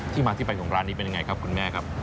มาที่ไปของร้านนี้เป็นยังไงครับคุณแม่ครับ